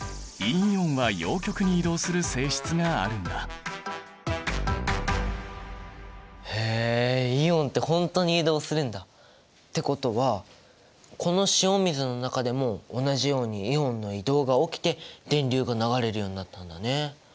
このようにへえイオンって本当に移動するんだ！ってことはこの塩水の中でも同じようにイオンの移動が起きて電流が流れるようになったんだね！